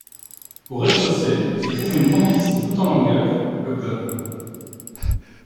Au rez-de-chaussée se trouve une grande piste toute en longueur, le Globe.